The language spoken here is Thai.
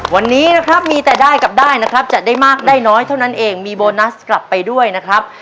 วันนี้นะครับมีแต่ได้กับได้นะครับจะได้มากได้น้อยเท่านั้นเองมีโบนัสกลับไปด้วยนะครับ